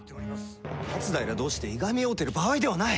松平同士でいがみ合うてる場合ではない。